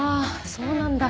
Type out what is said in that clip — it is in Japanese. そうなんだ。